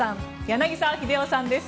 柳澤秀夫さんです。